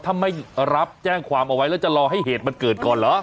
ถ้าไม่รับแจ้งความเอาไว้แล้วจะรอให้เหตุมันเกิดก่อนเหรอ